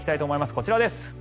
こちらです。